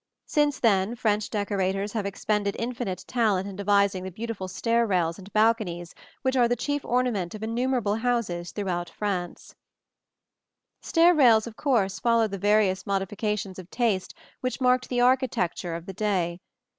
Since then French decorators have expended infinite talent in devising the beautiful stair rails and balconies which are the chief ornament of innumerable houses throughout France (see Plates XXXI and XXXII). Stair rails of course followed the various modifications of taste which marked the architecture of the day.